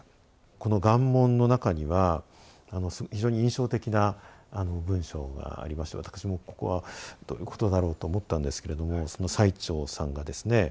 この「願文」の中には非常に印象的な文章がありまして私もここはどういうことだろうと思ったんですけれどもその最澄さんがですね